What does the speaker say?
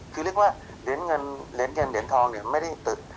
คือเรียกว่าเหรียญเงินเหรียญทอง